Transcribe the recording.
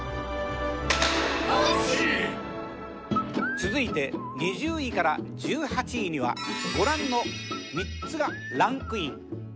続いて２０位から１８位にはご覧の３つがランクイン。